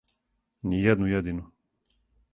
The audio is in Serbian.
Ни једну једину.